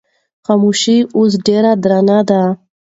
خاموشي اوس ډېره درنه ده.